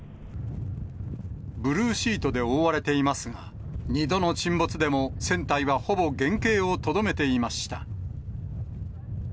ブルーシートで覆われていますが、２度の沈没でも船体はほぼ原形をとどめていました。